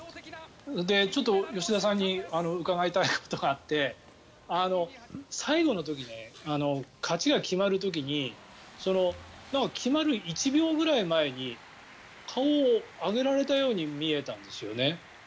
ちょっと吉田さんに伺いたいことがあって最後の時に勝ちが決まる時に決まる１秒ぐらい前に顔を上げられたように見えたんですよね。